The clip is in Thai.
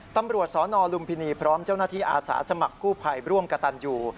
ตำรวจสนลุมพินีพร้อมเจ้าหน้าที่อาสาสมัครกู้ภัยร่วมกระตันอยู่